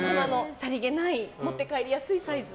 さりげない持って帰りやすいサイズ。